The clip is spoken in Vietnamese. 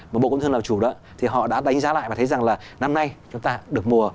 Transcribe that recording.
mà bộ công thương làm chủ đó thì họ đã đánh giá lại và thấy rằng là năm nay chúng ta được mùa